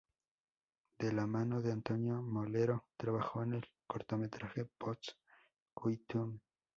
De la mano de Antonio Molero, trabajó en el cortometraje "Post-coitum".